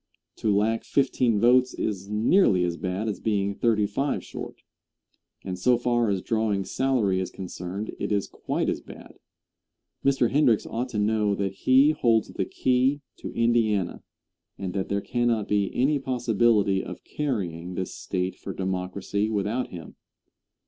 To lack fifteen votes is nearly as bad as being thirty five short, and so far as drawing salary is concerned it is quite as bad. Mr. Hendricks ought to know that he holds the key to Indiana, and that there cannot be any possibility of carrying this State for Democracy without him.